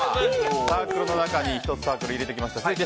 サークルの中に１つストーン入れてきました。